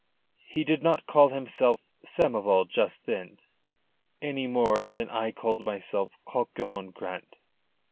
He did not call himself Samoval just then, any more than I called myself Colquhoun Grant.